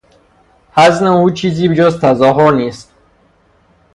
حزن او چیزی جز تظاهر نیست.